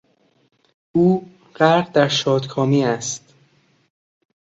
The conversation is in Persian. او غرق در شادکامی است.